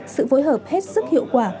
sự phối hợp hết sức hiệu quả